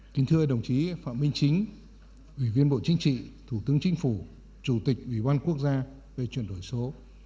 kính thưa đồng chí phạm minh chính ủy viên bộ chính trị thủ tướng chính phủ chủ tịch ủy ban quốc gia về chuyển đổi số